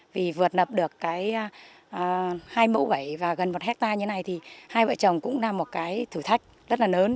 vì vượt nập được cái hai mẫu bẫy và gần một hectare như này thì hai vợ chồng cũng là một cái thử thách rất là lớn